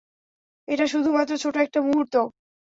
এটা শুধুমাত্র ছোট একটা মুহূর্ত।